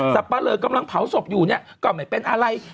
สับปะเรอกำลังเผาศพอยู่เนี่ยก่อนใหม่เป็นอะไร